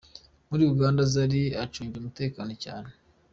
Muri Uganda, Zari acungiwe umutekano cyane.